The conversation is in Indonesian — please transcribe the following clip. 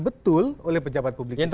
betul oleh pejabat publik itu